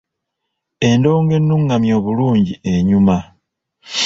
Endongo ennungamye obulungi enyuma.